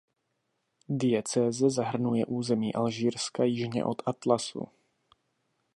Diecéze zahrnuje území Alžírska jižně od Atlasu.